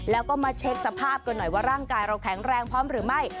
แล้วก็มาเช็คสภาพกันหน่อยว่าร่างกายเราแข็งแรงพร้อมหรือไม่